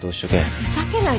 ふざけないで。